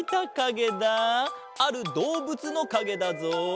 あるどうぶつのかげだぞ！